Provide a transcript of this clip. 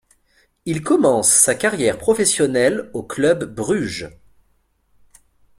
Il commence sa carrière professionnelle au Club Bruges.